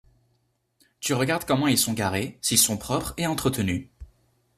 Tu regardes comment ils sont garés, s’ils sont propres et entretenus